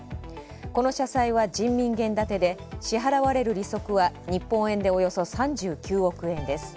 この社債は人民元建てで、支払われる利息は日本円でおよそ３９億円です。